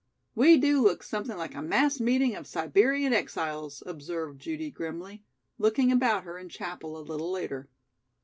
"We do look something like a mass meeting of Siberian exiles," observed Judy grimly, looking about her in Chapel a little later.